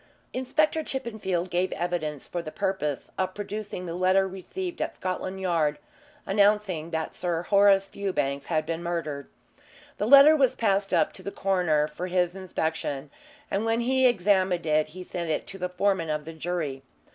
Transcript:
Inspector Chippenfield gave evidence for the purpose of producing the letter received at Scotland Yard announcing that Sir Horace Fewbanks had been murdered. The letter was passed up to the coroner for his inspection, and when he had examined it he sent it to the foreman of the jury.